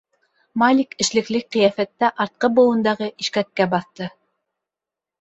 Малик эшлекле ҡиәфәттә артҡы быуындағы ишкәккә баҫты.